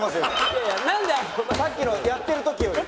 さっきのやってる時より。